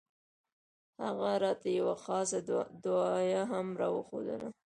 هغه راته يوه خاصه دعايه هم راوښووله.